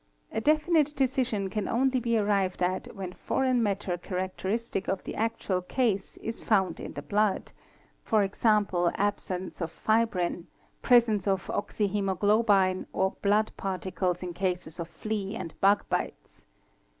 <A definite decision can only be arrived at when foreign matter characteristic of the actual case is found in the blood, e.g., absence of fibrine, presence of oxyhemoglobine or blood par ticles in cases of flea and bug bites.